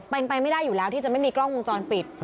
เป็นไปไม่ได้อยู่แล้วที่จะไม่มีกล้องวงจรปิด